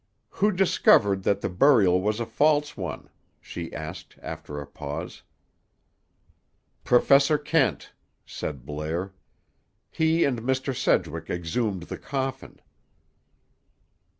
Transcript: "Who discovered that the burial was a false one?" she asked, after a pause. "Professor Kent," said Blair. "He and Mr. Sedgwick exhumed the coffin."